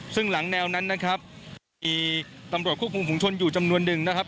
ซึ่งหลังแนวนั้นนะครับมีตำรวจควบคุมฝุงชนอยู่จำนวนหนึ่งนะครับ